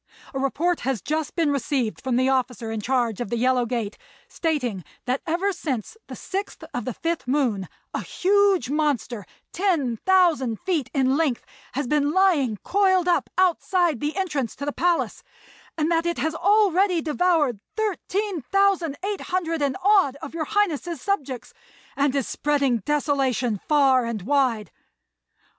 A report has just been received from the officer in charge of the Yellow Gate stating that, ever since the 6th of the 5th moon, a huge monster, 10,000 feet in length, has been lying coiled up outside the entrance to the palace, and that it has already devoured 13,800 and odd of your Highness's subjects, and is spreading desolation far and wide.